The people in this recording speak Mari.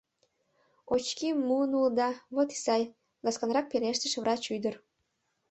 Очким муын улыда — вот и сай, — ласканрак пелештыш врач ӱдыр.